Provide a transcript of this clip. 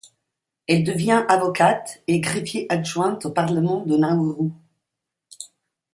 Elle devient avocate, et greffier-adjointe au Parlement de Nauru.